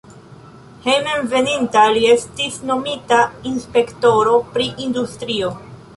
Hejmenveninta li estis nomita inspektoro pri industrio.